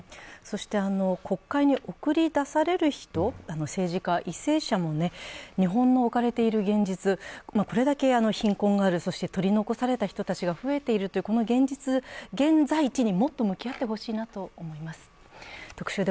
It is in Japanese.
国会に送り出される人、政治家、為政者も日本の置かれている現実、これだけ貧困がある、取り残された人たちが増えている、この現実、現在地にもっと向き合ってほしいなと思います。